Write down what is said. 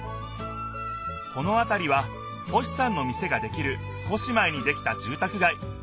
このあたりは星さんの店ができる少し前にできたじゅうたくがい。